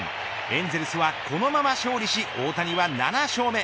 エンゼルスはこのまま勝利し大谷は７勝目。